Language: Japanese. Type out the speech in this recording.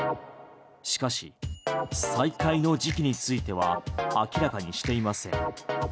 しかし再開の時期については明らかにしていません。